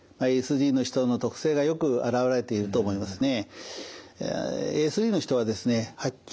ＡＳＤの人の特性がよく表れていると思いますね。